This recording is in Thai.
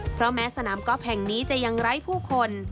เพราะแม้สนามกอล์ฟแห่งนี้จะยังไร้ผู้คน